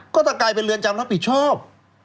ก็จะกลายเป็นเรือนจำรับผิดชอบ